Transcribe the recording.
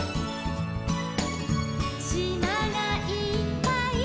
「しまがいっぱい」